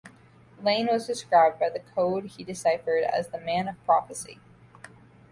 Lane was described by the code he deciphered as "the Man of prophecy".